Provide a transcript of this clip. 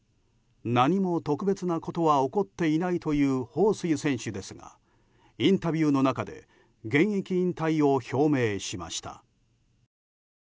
何も特別なことは起こっていないというホウ・スイ選手ですがインタビューの中で現役引退を表明しました。